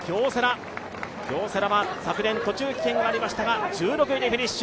京セラは昨年途中棄権がありましたが１６位でフィニッシュ。